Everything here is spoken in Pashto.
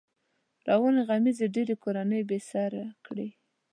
روانې غمېزې ډېری کورنۍ بې سره کړې.